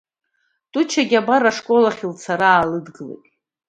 Тучагьы абар ашколахь лцара аалыдгылеит.